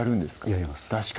やります